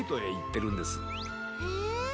へえ。